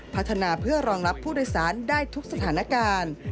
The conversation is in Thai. พัฒนาเพื่อรองรับผู้โดยสารได้ทุกสถานการณ์